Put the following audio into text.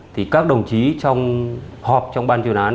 thì các đồng chí trong họp trong ban chuyên án